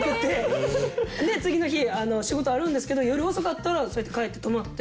次の日仕事あるんですけど夜遅かったらそうやって帰って泊まって。